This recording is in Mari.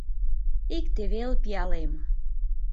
Икте вел пиалем